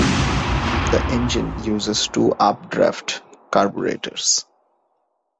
The engine uses two updraft carburetors.